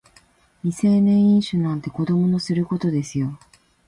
未成年飲酒なんて子供のすることですよ